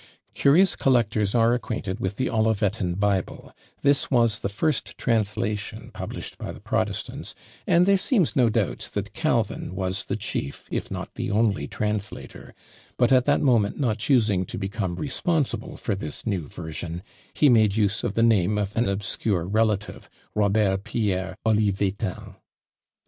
Curious collectors are acquainted with "The Olivetan Bible;" this was the first translation published by the protestants, and there seems no doubt that Calvin was the chief, if not the only translator; but at that moment not choosing to become responsible for this new version, he made use of the name of an obscure relative, Robert Pierre Olivetan.